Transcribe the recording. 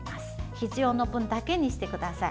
必要な分だけにしてください。